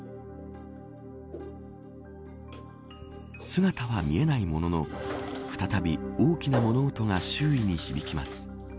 姿は見えないものの再び大きな物音が周囲に響きます